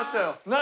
何？